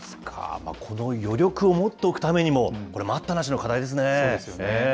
この余力を持っておくためにも、これ、待ったなしの課題ですそうですよね。